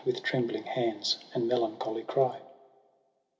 With trembling hands and melancholy cry.